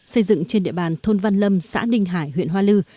xây dựng trên địa bàn thôn văn lâm xã ninh hải huyện hoa lư